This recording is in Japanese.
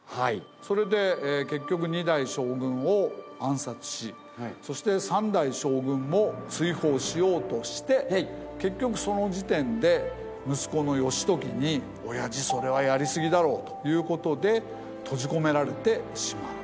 それで結局２代将軍を暗殺しそして３代将軍も追放しようとして結局その時点で息子の義時に「親父それはやりすぎだろう」ということで閉じ込められてしまう。